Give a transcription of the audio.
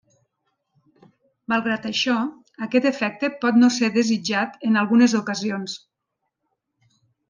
Malgrat això, aquest efecte pot no ser desitjat en algunes ocasions.